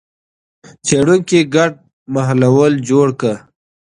څېړونکو ګډ محلول جوړ کړ.